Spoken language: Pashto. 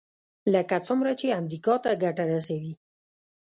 لکه څومره چې امریکا ته ګټه رسوي.